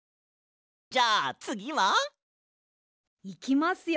じゃあつぎは？いきますよ！